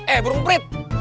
eh burung emprit